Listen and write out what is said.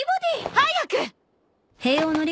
早く！